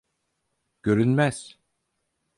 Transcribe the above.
Görünmez.